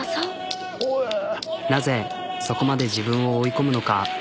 なぜそこまで自分を追い込むのか。